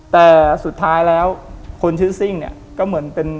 แต่สุดท้ายแล้วคนชื่อซิ่งเนี่ยก็เหมือนเป็น